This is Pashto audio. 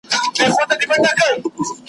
د باغلیو کښت په گټه د سلطان دئ `